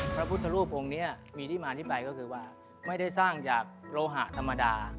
ประพุทธภูมิห้ระปุธภูมิเนี๊ยะมีที่มาที่ไปก็คือว่าไม่ได้กระสร้างจากโรหะธรรมดา